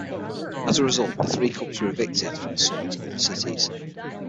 As a result, the three clubs were evicted from Seoul to other cities.